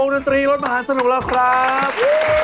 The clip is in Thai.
ดนตรีรถมหาสนุกแล้วครับ